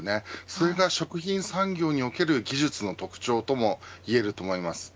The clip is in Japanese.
それが食品産業における技術の特徴ともいえると思います。